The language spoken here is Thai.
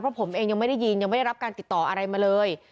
เพราะผมเองยังไม่ได้ยินยังไม่ได้รับการติดต่ออะไรมาเลย